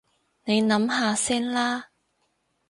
你諗下先啦